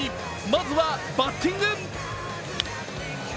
まずはバッティング。